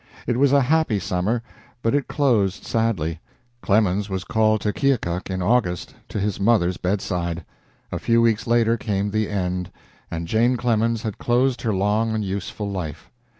It was a happy summer, but it closed sadly. Clemens was called to Keokuk in August, to his mother's bedside. A few weeks later came the end, and Jane Clemens had closed her long and useful life.